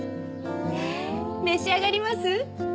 召し上がります？